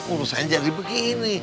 urusan jadi begini